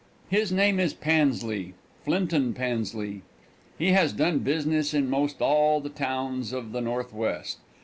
His name is Pansley Flinton Pansley. He has done business in most all the towns of the Northwest.